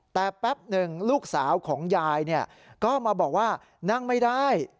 แต่แป๊บหนึ่งลูกสาวของยายก็มาบอกว่านั่งไม่ได้